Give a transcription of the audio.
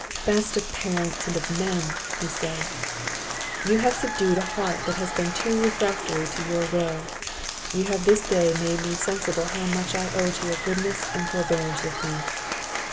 "Best of parents, and of men!" said he; "you have subdued a heart that has been too refractory to your will; you have this day made me sensible how much I owe to your goodness and forbearance with me.